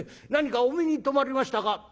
何かお目に留まりましたか？」。